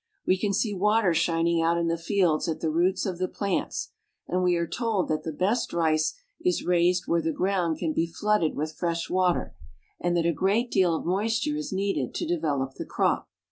We can see water shining out in the fields at the roots of the plants, and we are told that the best rice is raised where the ground can be flooded with fresh water, and Rice. THE RICEFIELDS. 121 that a great deal of moisture is needed to develop the crop.